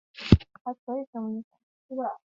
所有的相机和手机必须留在免费的储物柜中。